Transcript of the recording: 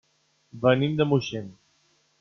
Venim de Moixent.